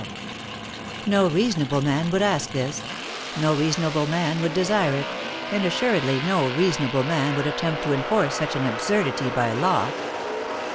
li No reasonable man would ask this, no rea sonable man would desire it, and assuredly no reasonable man would attempt to enforce such an absurdity by law.